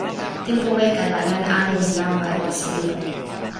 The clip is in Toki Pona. tenpo weka la jan ale li lawa e waso ilo.